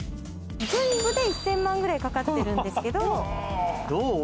全部で１０００万くらいかかってるんですけど。